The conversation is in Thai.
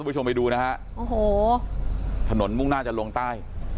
ผู้ชมไปดูนะฮะโอ้โหถนนมุ่งหน้าจะลงใต้